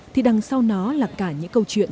thì đằng sau nó là cả những câu chuyện